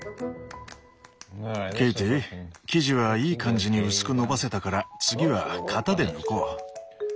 ケイティ生地はいい感じに薄くのばせたから次は型で抜こう。